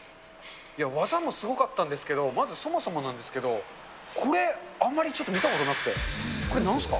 技もすごかったんですけど、まずそもそもなんですけど、これ、あんまりちょっと見たことなくて、これ、なんすか？